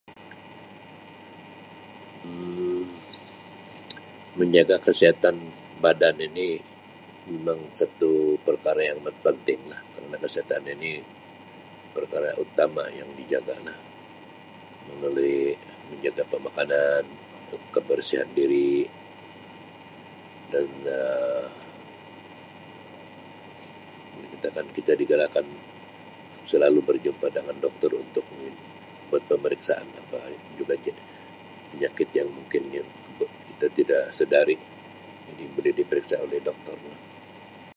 Um Menjaga kesihatan badan ini memang satu perkara yang amat penting lah kerana kesihatan ini perkara utama yang dijaga lah melalui menjaga pemakananan, kebersihan diri dan Um boleh kata kan kita digalakkan selalu berjumpa dengan Doktor untuk buat pemeriksaan yang baik juga penyakit yang mungkin yang kita tidak sedari jadi boleh diperiksa oleh Doktor lah.